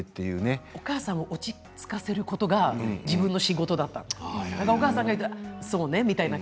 お母さんを落ち着かせることが自分の仕事だったんです。